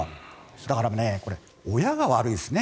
だから、親が悪いですね。